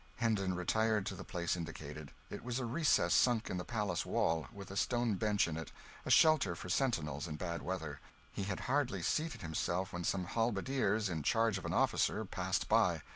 Hendon retired to the place indicated it was a recess sunk in the palace wall, with a stone bench in it a shelter for sentinels in bad weather. He had hardly seated himself when some halberdiers, in charge of an officer, passed by.